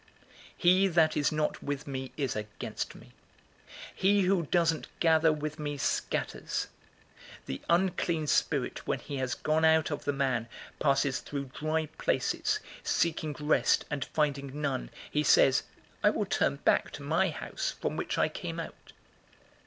011:023 "He that is not with me is against me. He who doesn't gather with me scatters. 011:024 The unclean spirit, when he has gone out of the man, passes through dry places, seeking rest, and finding none, he says, 'I will turn back to my house from which I came out.'